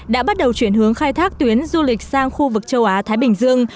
đã bắt đầu chuyển hướng khai thác tuyến du lịch sang khu vực châu á thái bình dương